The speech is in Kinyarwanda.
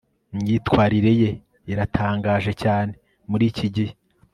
imyitwarire ye iratangaje cyane muri iki gihe